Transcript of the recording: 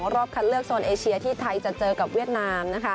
รอบคัดเลือกโซนเอเชียที่ไทยจะเจอกับเวียดนามนะคะ